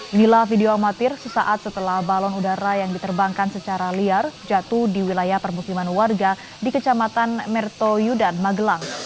inilah video amatir sesaat setelah balon udara yang diterbangkan secara liar jatuh di wilayah permukiman warga di kecamatan merto yudan magelang